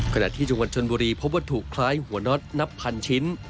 ขณะที่จังหวัดชนบุรีพบวัตถุคล้ายหัวน็อตนับพันชิ้น